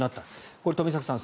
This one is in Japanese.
これ、冨坂さん